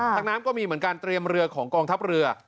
น้ำก็มีเหมือนกันเตรียมเรือของกองทัพเรือ